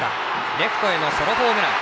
レフトへのソロホームラン。